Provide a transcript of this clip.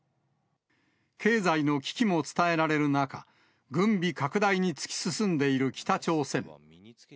経済の危機も伝えられる中、軍備拡大に突き進んでいる北朝鮮。